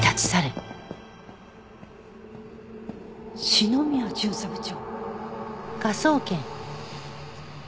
篠宮巡査部長？